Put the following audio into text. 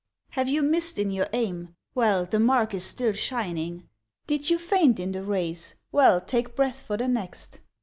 Have you missed in your aim? Well, the mark is still shining. Did you faint in the race? Well, take breath for the next.